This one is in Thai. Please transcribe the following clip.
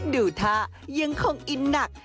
ดูท่ายังคงอินหนัก